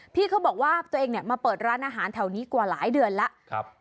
พี่เขาบอกว่าตัวเองเนี่ยมาเปิดร้านอาหารแถวนี้กว่าหลายเดือนแล้ว